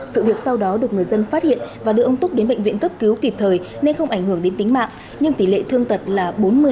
sự việc sau đó được người dân phát hiện và đưa ông túc đến bệnh viện cấp cứu kịp thời nên không ảnh hưởng đến tính mạng nhưng tỷ lệ thương tật là bốn mươi